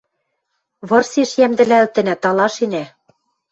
Вырсеш йӓмдӹлӓлтӹнӓ, талашенӓ.